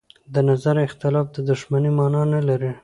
د نظر اختلاف د دښمنۍ مانا نه لري